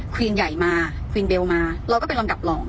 วีนใหญ่มาควีนเบลมาเราก็เป็นลำดับรอง